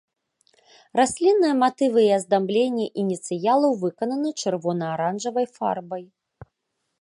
Раслінныя матывы і аздабленні ініцыялаў выкананы чырвона-аранжавай фарбай.